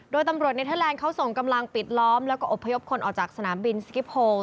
โดยตำรวจเนเทอร์แลนด์เขาส่งกำลังปิดล้อมแล้วก็อบพยพคนออกจากสนามบินสกิโพล